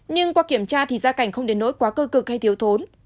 nhưng qua kiểm tra thì gia cảnh không đến nỗi quá cơ cực hay thiếu thốn